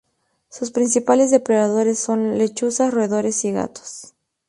Sus principales depredadores son lechuzas, roedores y gatos.